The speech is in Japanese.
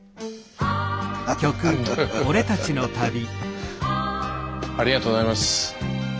スタジオありがとうございます。